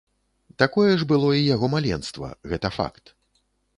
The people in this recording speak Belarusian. Такое ж было і яго маленства, гэта факт.